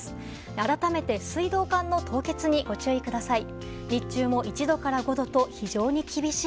改めて、水道管の凍結にご注意ください。